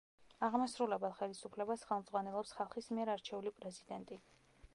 აღმასრულებელ ხელისუფლებას ხელმძღვანელობს ხალხის მიერ არჩეული პრეზიდენტი.